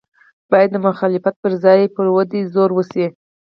باید د مخالفت پر ځای یې پر ودې زور وشي.